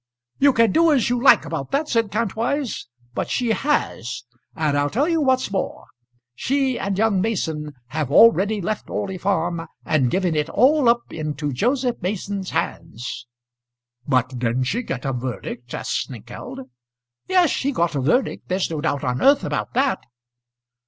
"You can do as you like about that," said Kantwise; "but she has. And I'll tell you what's more: she and young Mason have already left Orley Farm and given it all up into Joseph Mason's hands." "But didn't she get a verdict?" asked Snengkeld. "Yes, she got a verdict. There's no doubt on earth about that."